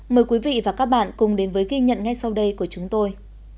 mời quý vị và các bạn cùng đến với ghi nhận ngay sau đây của chúng tôi